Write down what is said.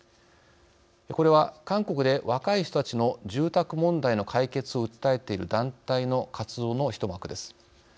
これは、韓国で若い人たちの住宅問題の解決を訴えている団体の活動の一幕です。